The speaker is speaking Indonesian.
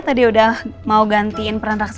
tadi udah mau gantiin peran raksi